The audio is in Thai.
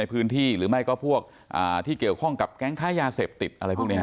พื้นที่หรือไม่ก็พวกที่เกี่ยวข้องกับแก๊งค้ายาเสพติดอะไรพวกนี้